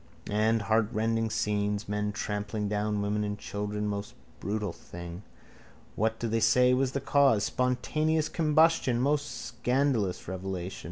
And heartrending scenes. Men trampling down women and children. Most brutal thing. What do they say was the cause? Spontaneous combustion. Most scandalous revelation.